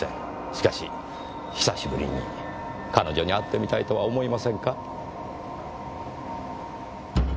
しかし久しぶりに彼女に会ってみたいとは思いませんか。